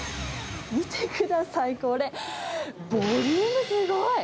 見てください、これ、ボリュームすごい！